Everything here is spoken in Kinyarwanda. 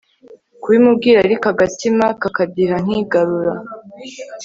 kubimubwira ariko agatima kakadiha nkigarura